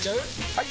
・はい！